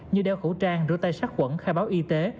như đeo khẩu trang rửa tay sát khuẩn khai báo y tế